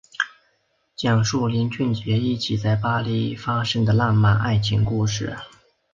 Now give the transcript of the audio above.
讲述林俊杰一起在巴黎发生的浪漫爱情故事。